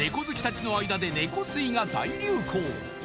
好きたちの間でネコ吸いが大流行